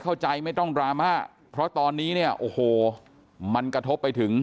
ไม่ต้องดราม่าเพราะตอนนี้เนี่ยโอ้โหมันกระทบไปถึง